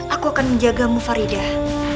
aku akan menjagamu faridah